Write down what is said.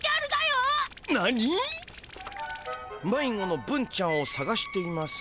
「迷子のブンちゃんを探しています。